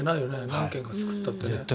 何軒か作ったって。